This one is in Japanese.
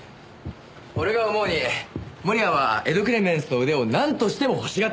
俺が思うに盛谷は『エド・クレメンスの腕』をなんとしても欲しがっていました。